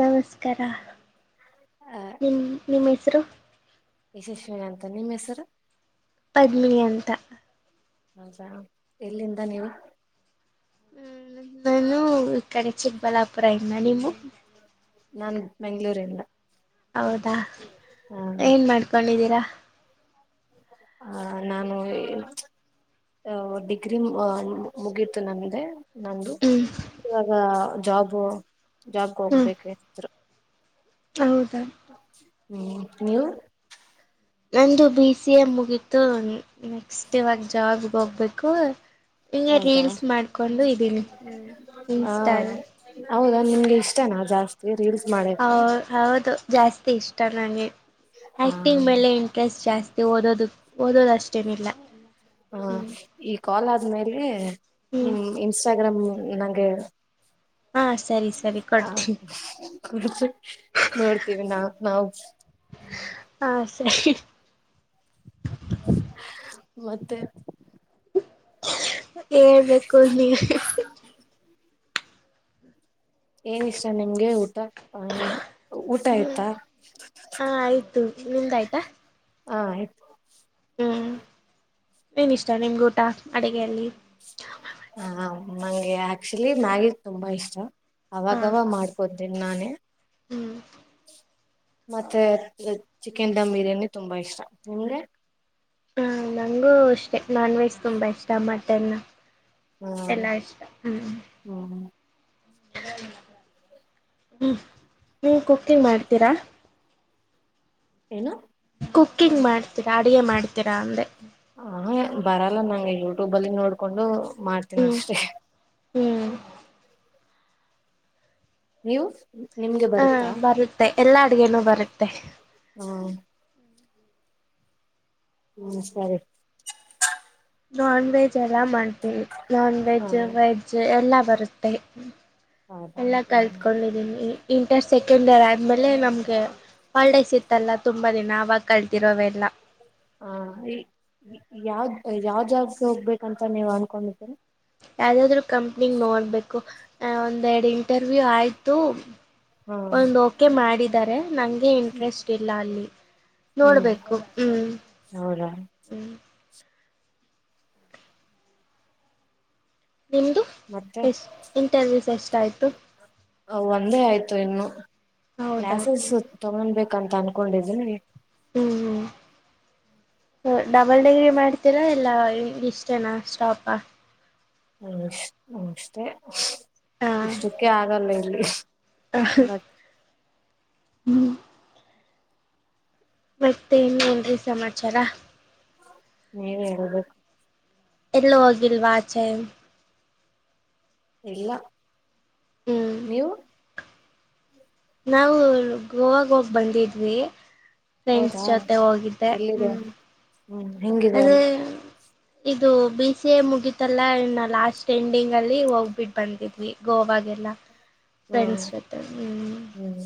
ನಮಸ್ಕಾರ ನಿಮ್ ಹೇಸ್ರು. ಯಶಸ್ವಿನಿ ಅಂತ ನಿಮ್ ಹೇಸ್ರ್. ಪದ್ಮಿನಿ ಅಂತ. ಹೌದಾ ಎಲ್ಲಿಂದ ನೀವು. ಹ್ಮ ನಾನು ಈ ಕಡೆ ಚಿಕ್ಕಬಳ್ಳಾಪುರ ಇಂದ ನೀವು. ನಾನ್ ಬೆಂಗಳೂರಿಂದ. ಹೌದಾ ಏನ್ ಮಾಡ್ಕೊಂಡಿದ್ದೀರಾ? ಹಾ ನಾನು ಅ ಡಿಗ್ರಿ ಮುಗಿತು ನಮ್ದೇ ನಂದು ಹ್ಮ್ ಇವಾಗ ಜಾಬ್ ಜಾಬ್ಗೆ ಹ್ಮ್ ಹೋಗ್ಬೇಕು ಏನಾದ್ರ. ಹೌದಾ. ಹ್ಮ್ ನೀವು? ನಂದು ಬಿ ಸಿ ಎ ಮುಗೀತು ನೆಕ್ಸ್ಟ್ ಇವಾಗ ಜಾಬ್ಗೆ ಹೋಗ್ಬೇಕು ಹಂಗ ಹೌದಾ ರೀಲ್ಸ್ ಮಾಡ್ಕೊಂಡು ಇದೀನಿ ಹ್ಮ ಹ ಇನ್ಸ್ಟ ಹೌದಾ ನಿಮ್ಗೆ ಇಷ್ಟನಾ ಜಾಸ್ತಿ ರೀಲ್ಸ್ ಹೌ ಮಾಡಕು ಹೌದು ಜಾಸ್ತಿ ಇಷ್ಟ ನನಗೆ ಹ ಆ್ಯಕ್ಟಿಂಗ್ ಮೇಲೆ ಇಂ ಕೆಲಸ್ ಜಾಸ್ತಿ ಓದೋದು ಓದೋದಷ್ಟೇನಿಲ್ಲ ಹ ಈ ಕಾಲ್ ಆದ್ಮೇಲೆ ಹ್ಮ್ ಹ ಇನ್ಸ್ಟಾಗ್ರಾಮ್ ನಂಗೆ ಹಾಂ ಸರಿ ಸರಿ ಹ ಕೊಡ್ತೀನಿ ನೋಡ್ತೀವಿ ನಾ ನಾವು್ ಹಾ ಸರಿ ಮತ್ತೆ ಹೇಳ್ಬೇಕು ನೀ ಏನ್ ಇಷ್ಟ ನಿಮ್ಗೆ ಊಟ ಐ ಮೀನ್ ಊಟ ಆಯ್ತಾ ಹ ಆಯ್ತು ನಿಮ್ದಾಯ್ತಾ ಆ ಆಯ್ತು ಹ್ಮ್ ನೀನ್ ಇಷ್ಟ ನಿಮ್ಗ ಊಟ ಅಡಿಗೆಯಲ್ಲಿ ಹ ನಂಗೆ ಆಕ್ಚುಲಿ ಮ್ಯಾಗಿ ತುಂಬಾ ಇಷ್ಟ ಹಾ ಅವಾಗವ ಮಾಡ್ಕೋದು ನಾನೇ ಹ್ಮ್ ಮತ್ತೆ ಚಿಕನ್ ದಡಮ್ ಬಿರಿಯಾನಿ ತುಂಬಾ ಇಷ್ಟ ನಿಮ್ಗೆ ಹ ನಂಗೂ ಅಷ್ಟೇ ನಾನ್ ವೆಜ್ ತುಂಬ ಇಷ್ಟ ಮಟನ್ ಹ್ಮ್ ಎಲ್ಲಾ ಇಷ್ಟ ಹ್ಮ್ ಹ್ಮ್ ಹ್ಮ್ ನೀ ಕುಕ್ಕಿಂಗ್ ಮಾಡ್ತೀರಾ ನಾ ಕುಕ್ಕಿಂಗ್ ಮಾಡ್ತೀರಾ ಅಡಗೆ ಮಾಡ್ತೀರಾ ಅಂದ್ರೆ ಹ ಬರಲ್ಲ ನಂ ಯೂಟ್ಯೂಬ ಅಲ್ಲಿ ನೋಡ್ಕೊಂಡು ಮಾಡ್ತೀನ ಹ್ಮ್ ಅಷ್ಟೇ ಹ್ಮ್ ನ್ಯೂಸ್ ಹಾ ಬರುತ್ತೆ ಎಲ್ಲಾ ಅಡ್ಗೇನೂ ಬರುತ್ತೆ ಹ್ಮ ಹ್ಮ್ ಸರಿ ನಾನ್ ವೆಜ್ ಎಲ್ಲ ಮಾಡ್ತೀನವಿ ನಾನ್ ಹ ವೆಜ್ ವೆಜ್ಜ್ ಎಲ್ಲ ಬರುತ್ತೆ ಹೌದಾ ಎಲ್ಲ ಹ್ಮ್ ಕಲಿತ್ಕೊಂಡಿದೀನಿ ಇಂಟರ್ ಸೆಕೆಂಡ್ ಇರ್ ಆದ್ಮೇಲೆ ನಮ್ಗೆ ಒಳ್ಳೆ ಸಿತ್ತಲ್ಲ ತುಂಬಾ ದಿನ ಆಾಗ ಕಳತಿರೋೆಲ್ಲ ಹ ಯಾವ್ ಯಾವ ಜಬ್ಗೆ ಹೋಗ್ಬೇಕಂತ ನೀವ್ ಅನ್ಕೊಂಡಿದೀರಿ ಯಾವ್ದಾದ್ರು ಕಂಪ್ನಿಿಗೆ ನೋಡ್ಬೇಕು ಒಂದೆರಡು ಇಂಟರ್ವ್ಯೂ ಆಯ್ತು ಹ್ಮ ೆ ಮಾಡಿದರೆ ನಂಗೆ ಇಂಟ್ರೆಸ್ಟ್ ಇಲ್ಲ ಅಲ್ಲಿ ಹ್ಮ್ ನೋಡ್ಬೇಕು ಹ್ಮ್ ಹೌದಾ ಹ್ಮ್ ನಿಮ್ಮದು ಮತ್ತೆ ಎಸ್ ಇಂಟರ್ವ್ಯೂಸ್ ಎಷ್ಟಯಿತು ಅ ಒಂದೇ ಆಯ್ತು ಇನ್ನು ಹೌದಾ ಕ್ಲಾಸಸ್ ಹ್ಞೂ ತಗೊೊಂಡಬೇಕಂತ ಅನ್ಕೊಂಡಿದೀನಿ ಹ್ಮ್ ಹ್ಮ್ ಡಬಲ್ ಡಿಗ್ರಿ ಮಾಡ್ ತರ ಎಲ್ಲ ಇಷ್ಟೇನಾ ಸ್ಟಾಪ ಹಷ್ಟೇ ಇಷ್ಟಕ್ಕೆ ಆಗಲ್ಲ ಇಲ್ಲಿ ಹ ಬಟ್ ಮತ್ತೇನು ಏನ್ರಿ ಸಮಾಚಾರ ನೀ ಎಲ್ಲ ಹೋಗಿಲ್ವಾಚೆ ಎಲ್ಲ ಹ್ಮ್ ನೀವು ನಾವು ಗೋವಾಗ ಹೋಗಿ ಬಂದಿದ್ವಿ ಹೌದಾ ಫ್ರೆಂಡ್ಸ್ ಜೊತೆ ಹೋಗಿದ್ದೆ ಹ್ಮ್ ಹ್ಮ ಅದ ಇದು ಬಿ ಸಿ ಎ ಮುಗಿತಲ್ಲ ಇ ಲಾಸ್ಟ್ ಎಂಡಿಂಗ್ ಅಲ್ಲಿ ಹೋಗ್ಬಿಟ್ಟ ಬಂದಿದ್ವಿ ಗೋವಾಗೆಲ್ಲ ಹ್ಮ್ ಫ್ರೆಂಡ್ಸ್ ಜೊತೆ ಹ್ಮ್ ಹ್ಮ್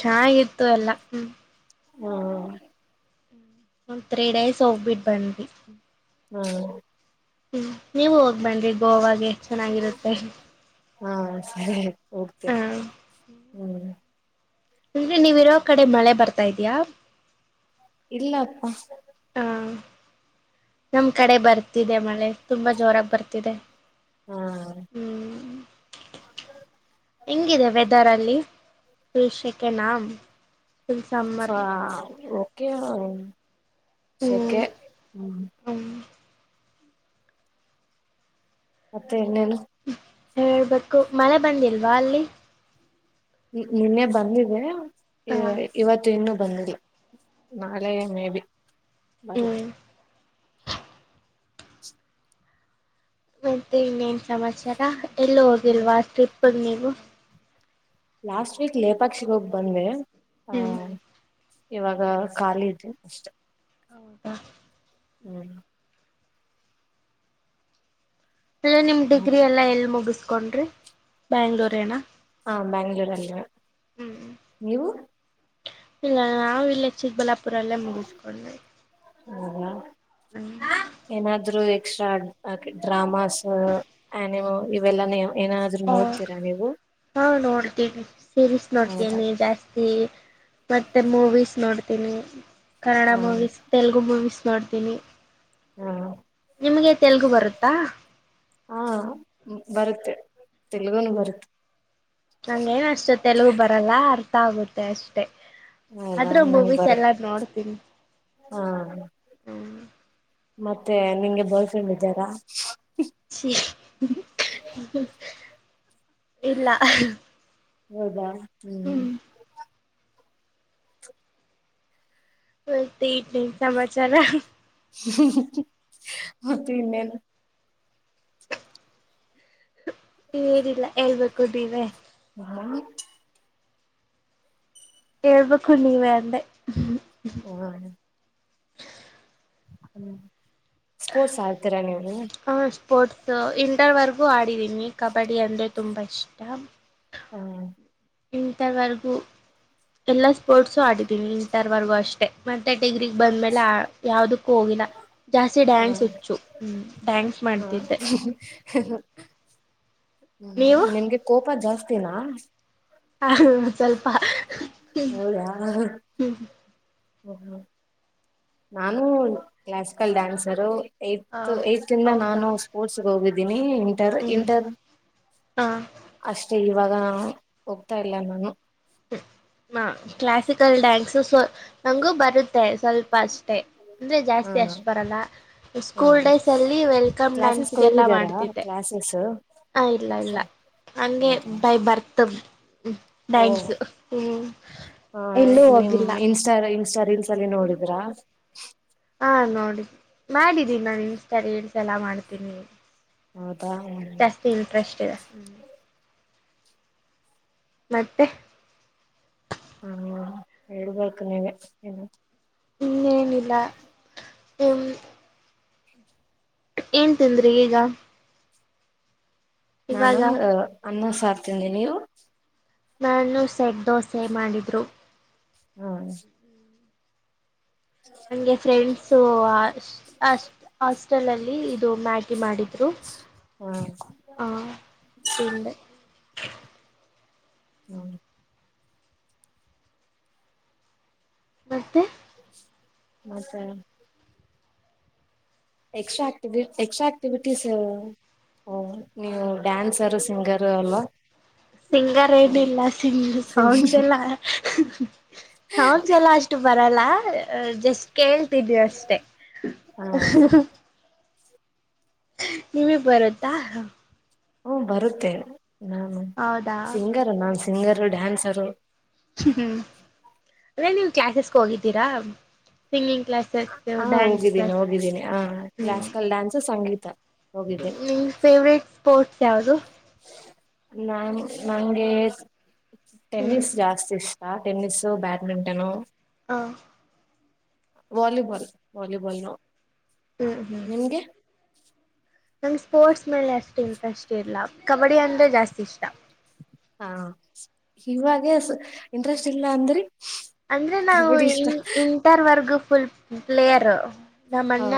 ಚನ್ನಾಗಿತ್ತು ಎಲ್ಲ ಹ್ಮ್ ಹ್ಮ ಒಂದ್ ತ್ರೀ ಡೈಸ್ ಹೋಗ್ಬಿಟ್ಟ ಬಂದೆ ಹ್ಮ್ ಹ್ಮ್ ನೀವು ಹೋಗಿ ಬಂದ್ರಿ ಗೋವಾಗೆ ಚೆನ್ನಾಗಿರುತ್ತೆ ಹಾ ಸರಿ ಆಯ್ತ್ ಹೋಗ್ತೇನೆ ಹ್ಮ್ ಅ ನೀವ ಇರೋ ಕಡೆ ಮಳೆ ಬರ್ತಾ ಇದ್ಯಾ ಇಲ್ಲ ಅಪ್ಪ ಹಾ ನಮ್ ಕಡೆ ಬರ್ತಿದೆ ಮಳೆ ತುಂಬಾ ಜೋರಾಗಿ ಬರ್ತಿದೆ ಹ ಹ್ಮ್ ಹೆಂಗಿದೆ ವೆದರ್ ಅಲ್ಲಿ ಫುಲ್ ಶಕೆಣ ಹ ಓಕೆ ಹ್ಮ್ ಇತ್ಸೋಕ್ಯ ಹ್ಮ ಹ್ಮ್ ಮತ್ತೆ ಇನ್ನು ಏನು ಹೇಳ್ಬೇಕು ಮಳೆ ಬಂದಿಲ್ವಾ ಅಲ್ಲಿ ನಿನ್ನೆ ಬಂದಿದೆ ಹಾ ಇವತ್ತು ಇನ್ನು ಬಂದಿಲ್ಲ ನಾಳೆ ಮೇಬಿ ಬರುತ ಹ್ಮ್ ಮತ್ತೆ ಇನ್ನೇನ್ ಸಮಾಚಾರ ಎಲ್ಲಿ ಹೋಗಿಲ್ವಾ ಟ್ರಿಪ್ಗೆ ನೀವು ಲಾಸ್ಟ್ ವೀಕ್ ಲೇಪಾಕ್ಷಿಗೆ ಹೋಗಿ ಬಂದ್ವಿ ಹ್ಮ್ ಇವಾಗ ಖಾಲಿ ಇದೆ ಅಷ್ಟೆ ಹೌದಾ ಹ್ಮ್ ಅಲ್ಲ ನಿಮ ಡಿಗ್ರಿ ಎಲ್ಲಾ ಎಲ್ ಮುಗಿಸಕೊಂಡ್ರಿ ಬೆಂಗಳೂರು ಏನ ಹಾ ಬೆಂಗಳೂರು ನೀವು ಇಲ್ಲ ನಾವ ಇಲ್ಲ ಚಿಕ್ಕಬಳ್ಳಾಪುರಲ್ಲೇ ಮುಗಿಸ್ಕೊಂಡೆ ಹ್ಮ ಹ್ಮ ಹ್ಮ್ ಏನಾದ್ರೂ ಎಕ್ಸ್ಟ್ರಾ ಡ್ರಾಮಾಸ್ ಆನಿಮ್ ಇವೆಲ್ಲಾನೇ ಹಾ ಹಾ ನೋಡ್ತೀನಿ ಸೀರಿಸ್ ಹೌದಾ ನೋಡ್ತೀನಿ ಜಾಸ್ತಿ ಮತ್ತೆ ಮೂವೀಸ್ ನೋಡ್ತೀನಿ ಕನ್ನಡ ಹಾ ಮೂವೀಸ್ ತೆಲುಗು ಮೂವೀಸ್ ನೋಡ್ತೀನಿ ಹಾ ನಿಮಗೆ ತೆಲುಗು ಬರುತ್ತಾ ಹಾ ಬರುತ್ತೆ ತೆಲುಗನು ಬರುತ್ತೆ ನಂಗೇನ ಅಷ್ಟು ತೆಲುಗು ಬರಲ್ಲ ಅರ್ಥ ಆಗುತ್ತೆ ಅಷ್ಟೆ ಹೌದಾ ಆದ್ರೂ ನಂಗೆ ಮೂವೀಸ್ ಎಲ್ಲ ಬರುತ್ತೆ ನೋಡ್ತೀನಿ ಹಾ ಮತ್ತೆ ನಿಂಗೆ ಬರ್ಫ್ರಂಡ್ ಇದರ ಇಲ್ಲ ಹೌದಾ ಹ್ಮ್ ಹತ ಇಡ್ಲಿನ್ ಸಮಾಚಾರ ಮತ್ತೆ ಇನ್ನೇನು ರಿಲ್ಲ ಹೇಳ್ಬೇಕು ದಿವೇ ಹ್ಮ ಹೇಳ್ಬೇಕು ನೀವೇ ಅಂದೆ ಹಾ ಹ್ಮ್ ಸ್ಪೋರ್ಟ್ಸ್ ಹಳ್ತೀರಾ ನೀವ ಹ ಸ್ಪೋರ್ಟ್ಸು ಇಂಟರ್ವರೆಗೂ ಆಡಿದ್ದೀನಿ ಕಬಡ್ಡಿ ಅಂದರೆ ತುಂಬ ಇಷ್ಟ ಹ್ಮ್ ವಿಂಟರ್ ವರೆಗೂ ಎಲ್ಲಾ ಸ್ಪೋರ್ಟ್ಸು ಆಡಿದೀನಿ ವಿಂಟರ್ ವರೆಗೂ ಅಷ್ಟೆ ಮತ್ತೆ ಟಡಿಗ್ರಿಗೆಗ್ ಬಂದ್ಮೇಲೆ ಯಾವದಕ್ ಹೋಗಿಲ್ಲ ಜಾಸ್ತಿ ಡ್ಯಾನ್ಸ್ ಹ ಹಚ್ಚು ಹ ಡ್ಯಾನ್ಸ್ ಮಾಡ್ತಿದ್ದೆ ಹ್ಮ ನೀವು ನಿಮ್ಗೆ ಕೋಪ ಜಾಸ್ತಿನಾ ಹ ಸ್ವಲ್ಪ ಹೌದ ಹ್ಮ್ ಹ್ಮ್ ಹ ಹ ನಾನು ಕ್ಲಾಸಿಕಲ್ ಡ್ಯಾನ್ಸರು ಹ ಏತ್ ಏಂದ ಹೌದಾ ನಾನು ಸ್ಪೋರ್ಟ್ಸ್ಗೆ ಹೋಗಿದ್ದೀನಿ ಇಂಟರ್ ಹ್ಮ್ ಇಂಟರ್ ಹ ಅಷ್ಟೇ ಇವಾಗ ಹೋಗ್ತಾ ಇಲ್ಲ ನಾನು ಹಾ ಕ್ಲಾಸಿಕಲ್ ಡ್ಯಾನ್ಸ್ ನಂಗು ಬರುತ್ತೆ ಸ್ವಲ್ಪ ಅಷ್ಟೆ ಅಂದ್ರೆ ಹಾ ಜಾಸ್ತಿ ಅಷ್ಟು ಬರಲ್ಲ ಹಾ ಸ್ಕೂಲ್ ಡೇಸ್ ಅಲ್ಲಿ ವೆಲ್ಕಮ್ ಡ್ಯಾನ್ಸ್ಗೆಲ್ಲ ಾರ ಕ್ಲಾಸಸ್ ಹ ಇಲ್ಲ ಇಲ್ಲ ಎಕ್ಸ್ಟ್ರಾ ಅಂಗೆ ಹೌದಾ ಬೈ ಬರ್ತ್ ಓ ್ಯಾಂಕ್ಸ್ ಹ್ಮ್ ಎಲ್ಲೂ ಹೋಗಿಲ್ಲ ಇ ಇನ್ಸ್ಟಾ ರೀಲ್ಸ್ ಅಲ್ಲಿ ನೋಡಿದ್ರಾ ಹಾ ನೋಡಿ ಮಾಡಿದ್ದೀನ ನಾನು ಇನ್ಸ್ ಳ್ಸ ಎಲ್ಲ ಮಾಡ್ತೀನಿ ಹೌದಾ ಜಾಸ್ತಿ ಇಂಟ್ರೆಸ್ಟ್ ಇದೆ ಮತ್ತೆ ಹ ಹಳ್ಬಳ್ಕ ನೀವೆ ಏನು ಇನ್ನೇನಿಲ್ಲ ಹ ಏನ್ ತಿಂದ್ರಿ ಈಗ ನಾನು ಇವಾಗ ಅನ್ನ ಸಾರ್ತಿಂದಿ ನೀವು ನಾನು ಸೆಟ್ ದೋಸೆ ಮಾಡಿದರು ಹ್ಮ ನಂಗೆ ಫ್ರೆಂಡ್ಸು ಅ ಅ ಹಾಸ್ಟೆಲ್ ಅಲ್ಲಿ ಇದು ಮ್ಯಾ ಮಾಡಿದ್ರು ಹಾ ಆ ತಿ ಹ್ಮ ನಸ್ತೆ ಮತ್ತ ಎಕ್ಸ್ಟ್ರಾ ಆಕ್ಟ ಎಕ್ಸ್ಟ್ರಾ ಆಕ್ಟಿವವಿಟೀಸ್ ಓ ನೀವು ಡ್ಯಾನ್ಸರ್ ಸಿಂಗರು ಅಲ್ವಾ ಸಿಂಗರ್ ಹ ಏನಿಲ್ಲ ಸಿಂಗ ಸಾಂಗ್ಸ್ ಎಲ್ಲ ಸಾಂಗ್ಸ್ ಎಲ್ಲ ಅಷ್ಟ ಬರಲ್ಲ ಜಸ್ಟ್ ಕೇಳ್ತಿದ್ವಿ ಅಷ್ಟೆ ನಿಮಗ್ ಬರತ್ತಾ ಹ್ಮ ಬರುತ್ತೆ ನಾನ ಹೌದಾ ಸಿಂಗರ್ ನಾನ ಸಿಂಗರು ಡ್ಯಾನ್ಸರು ಹ್ಮ್ ಅದೇ ನೀವು ಕ್ಲಾಸಸ್ಗೆ ಹೋಗಿದ್ದೀರಾ ಸಿಂಗಿಂಗ್ ಕ್ಲಾಸ್ ಹಾ ಡ್ಯಾನ್ಸ್ ಹೋಗಿದ್ದೀನಿ ಹೋಗಿದ್ದೀನಿ ಹ ಕ್ಲಾಸಿಕಲ್ ಡ್ಯಾನ್ಸ್ ಸಂಗೀತ ಹೋಗಿದ್ದೆ ನಿನ್ ಫೇವ್ರೇಟ್ ಸ್ಪೋರ್ಟ್ಸ್ ಯಾವವು್ದು ನಾನ್ ನಂಗೆ ಹ್ಮ್ ಟೆನಿಸ್ ಜಾಸ್ತಿ ಇಷ್ಟ ಹ ಟೆನ್ನಿಸಸು ಬ್ಯಾಡ್ಮಿಂಟನು ಹಾಂ ವಾಲಿಬಾಲ್ ವಾಲಬಾಲ್ ನ ಹ್ಮ್ ಹ್ಮ್ ನಂಗೆ ಸ್ಪೋರ್ಟ್ಸ್ ಮೇಲೆ ಅಷ್ಟು ಇಂಟ್ರೆಸ್ಟ್ ಇರಲ್ಲ ಕಬಡ್ಡಿ ಅಂದರೆ ಜಾಸ್ತಿ ಇಷ್ಟ ಹಾ ಇವಾಗ ಇಂಟ್ರೆಸ್ಟ್ ಇಲ್ಲ ಅಂದ್ರಿ ಅಂದ್ರೆ ನಾವು ಕಬಡ್ಡಿ ಇಷ್ಟ ಇನ್ ಇಂಟರ್ ವರ್ಗ ಫುಲ್ ಪ್ಲೇಯರ್ ಹಾ ನಮ್ಮ್ಣ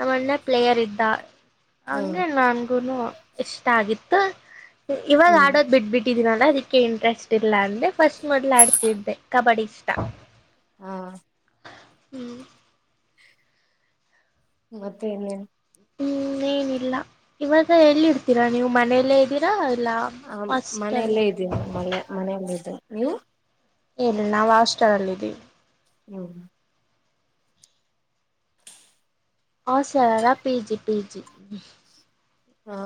ನಮ್ಮಲ್ಲೆ ಪ್ಲೇಯರ್ ಇದ್ದ ಹಾ ಹಂಗೆ ನನ್ಗು ಇಷ್ಟ ಆಗಿತ್ತು ಇವಾಗ ಹ್ಮ್ ಆಡೋದ್ ಬಿಟ್ಟಬ ಬಿಟ್ಟಿದೀನಲ್ಲ ಅದಕ್ಕೆ ಇಂಟ್ರೆಸ್ಟ್ ಇಲ್ಲ ಅಂದ್ರೆ ಫಸ್ಟ್ ಮೊದ್ ಆಡ್ತಿದ್ದೆ ಕಬಡ್ಡಿ ಅಷ್ಟ ಹಾ ಹ್ಮ್ ಮತ್ತೆ ಇನ್ೇನ್ ಹ್ಮ್ ಏನಿಲ್ಲ ಇವಾಗ ಎಲ್ಲಿ ಇರ್ತೀರಾ ನೀವು ಮನೆಯಲ್ಲೇ ಇದ್ದೀರಾ ಇಲ್ಲ ಹ ಹಾಸ್ಟೆಲ್ ಮನೆಯಲ್ಲೇ ಇದೀನ ಮ ಮನೆಯಲ್ಲ ಇದ ನೀವು ಹೇಳಲ್ಲಿ ನಾವು ಹಾಸ್ಟೆಲ್ ಅಲ್ಲಿ ಇದೀವಿ ಹ್ಮ್ ಹ ಸರರ ಪಿ ಜಿ ಪಿ ಜಿ ಹಾ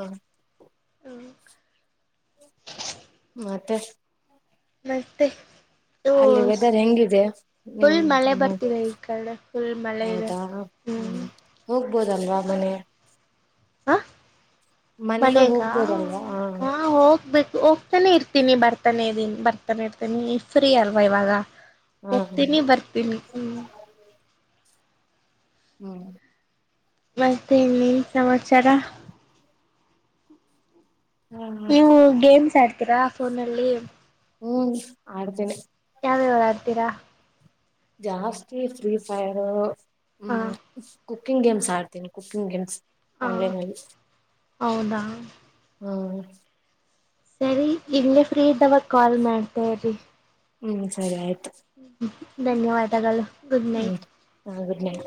ಹ ಮತ್ತೆ ನಸ್ತೆ ಅಲ್ಲಿ ವೆದರ್ ಹೆಂಗಿದೆ ಫುಲ್ ಮಳೆ ನಿಮ ನಿ ಬರ್ತಿದೆ ಈ ಕಡೆ ಫುಲ್ ಮಳೆ ಇದೆ ಹೌದಾ ಹ್ಮ್ ಹೋಗ್ಬೋದಲ್ವಾ ಮನೆ ಹ ಮನೆಗೆ ಮನಾಗ ಹೋಗ್ಬೋದಲ್ವಾ ಹ ಹೋಗ್ಬೇಕು ಹೋಗ ಾನೆ ಇರ್ತೀನಿ ಬರ್ತಾನೆ ಇದನ್ ಬರ್ತಾನೆ ಇರ್ತೀನಿ ಫ್ರೀ ಅಲ್ವಾ ಇವಾಗ ಹಾ ಹಾ ಹೋಗ್ತೀನಿ ಬರ್ತೀನಿ ಹ್ಮ ಹ್ಮ್ ಮಸ್ೆ ಇನ್ನಿ ಸಮಾಚಾರ ಹಾ ಹ ನೀವು ಗೇಮ್ಸ್ ಆಡ್ತೀರಾ ಫೋನಲ್ಲಿ ಹ್ಮ್ ಆಡ್ತೇನೆ ಯಾವ್ಯಾವರ ಆಡ್ತೀರಾ ಜಾಸ್ತಿ ಫ್ರೀ ಫೈರ್ ಹಾ ಹ್ಮ್ ಕುಕ್ಕಿಂಗ್ ಗೇಮ್ಸ್ ಆಡ್ತೀನಿ ಕುಕ್ಕಿಂಗ್ ಗೇಮ್ಸ್ ಹಾ ಆನ್ಲೈನ್ಲ್ಲಿ ಹೌದಾ ಹ್ಮ ಸರಿ ಇಲ್ಲೇ ಫ್ರೀ ಇದ್ದಾವಾಗ ಕಾಲ್ ಮಾಡ್ತೇರಿ ಹ್ಮ್ ಸರಿ ಆಯ್ತು ಹ್ಮ್ ಧನ್ಯವಾದಗಳು ಗುಡ್ ಹ್ಮ್ ನೈಟ್ ಹಾ ಗುಡ್ ನೈಟ್